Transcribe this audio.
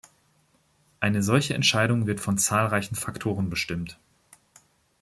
Eine solche Entscheidung wird von zahlreichen Faktoren bestimmt.